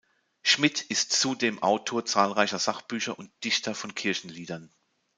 Schmid ist zudem Autor zahlreicher Sachbücher und Dichter von Kirchenliedern.